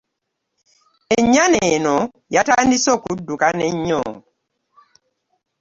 Ennyana eno yatandise okuddukana ennyo.